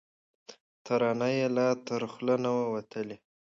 ترانه یې لا تر خوله نه وه وتلې